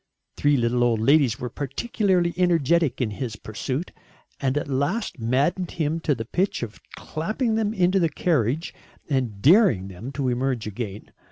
Three little old ladies were particularly energetic in his pursuit, and at last maddened him to the pitch of clapping them into a carriage and daring them to emerge again.